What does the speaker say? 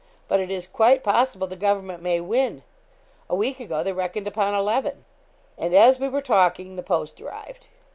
But it is quite possible the government may win a week ago they reckoned upon eleven.' And as we were talking the post arrived.